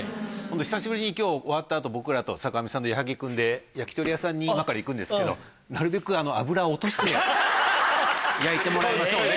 久しぶりに今日終わった後僕らと坂上さんと矢作君で焼き鳥屋さんに今から行くんですけどなるべく脂を落として焼いてもらいましょう。